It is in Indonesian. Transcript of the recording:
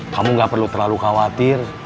kamu gak perlu terlalu khawatir